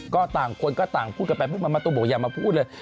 ก็ต่างคนก็ต่างพูดกันไปพูดมามะตูบอกอย่ามาพูดเลย